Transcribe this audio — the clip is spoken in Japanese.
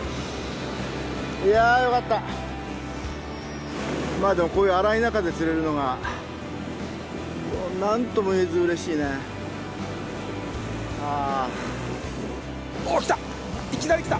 いやよかったまあでもこういう荒い中で釣れるのが何とも言えずうれしいねああおお来たいきなり来た！